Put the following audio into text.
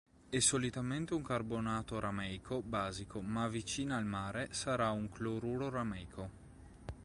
È solitamente un carbonato rameico basico, ma vicina al mare sarà un cloruro rameico.